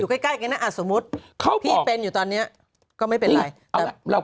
อยู่ใกล้ใกล้กันนะอ่ะสมมุติเขาเป็นอยู่ตอนเนี้ยก็ไม่เป็นไรเอาละเรา